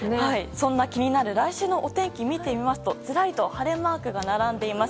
そんな気になるお天気見てみますと晴れマークが並んでいます。